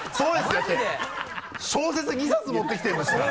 だって小説２冊持ってきてるんですから。